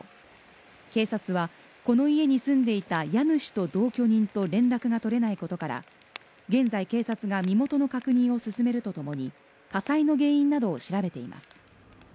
警察はこの家に住んでいた家主と同居人と連絡が取れないことから現在、警察が身元の確認を進めるとともに火災の原因などを調べています。